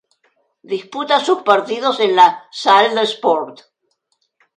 Disputa sus partidos en la "Salle de Sport".